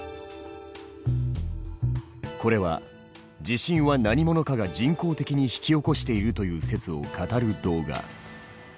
これは地震は何者かが人工的に引き起こしているという説を語る動画。